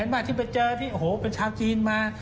เห็นไหมที่เจอโอ้โฮเป็นชาวจีนมา